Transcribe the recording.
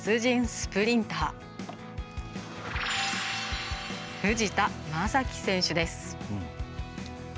スプリンター藤田征樹選手です。